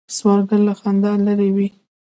سوالګر له خندا لرې وي